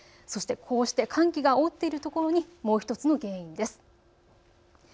こうして寒気が覆っているところにもう１つの原因です。